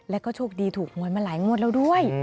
แล้วก็โชคดีถูกหวยมาหลายงวดแล้วด้วย